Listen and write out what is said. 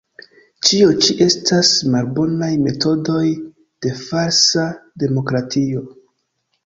Ĉio ĉi estas malbonaj metodoj de falsa demokratio.